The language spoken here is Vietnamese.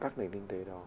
các nền kinh tế đó